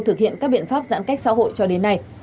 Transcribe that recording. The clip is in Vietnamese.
thực hiện các biện pháp giãn cách xã hội cho đến nay